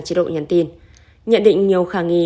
chế độ nhắn tin nhận định nhiều khả nghi